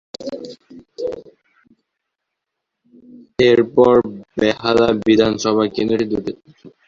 এরপর বেহালা বিধানসভা কেন্দ্রটি দু’টি কেন্দ্রে বিভাজিত হয়েছিল।